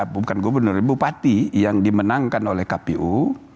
bukan gubernur bupati yang dimenangkan oleh kpu